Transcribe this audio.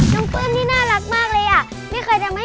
น้องคุณนี้น่ารักมากเลยอ่ะ